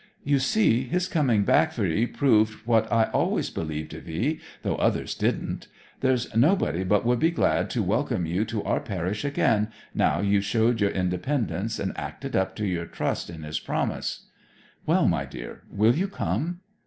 You see, his coming back for 'ee proved what I always believed of 'ee, though others didn't. There's nobody but would be glad to welcome you to our parish again, now you've showed your independence and acted up to your trust in his promise. Well, my dear, will you come?'